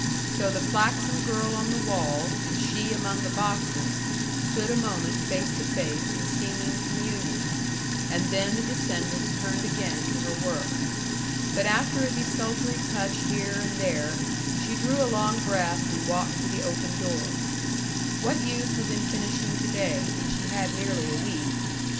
So the flaxen girl on the wall and she among the boxes stood a moment face to face in seeming communion, and then the descendant turned again to her work. But after a desultory touch here and there she drew a long breath and walked to the open door. What use was in finishing to day, when she had nearly a week?